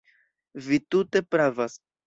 Vi tute pravas.